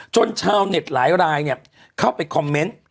ชาวเน็ตหลายรายเข้าไปคอมเมนต์